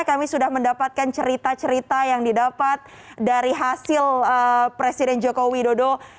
kami sudah mendapatkan cerita cerita yang didapat dari hasil presiden joko widodo